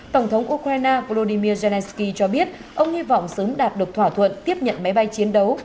tổng thống ukraine volodymyr zelenskyy cho biết ông hy vọng sớm đạt được thỏa thuận tiếp nhận máy bay chiến đấu